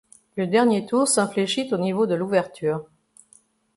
Le dernier tour s’infléchit au niveau de l’ouverture.